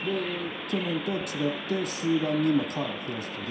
去年とは違って終盤にカーブを増やしてる。